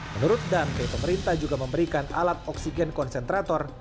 menurut dante pemerintah juga memberikan alat oksigen konsentrator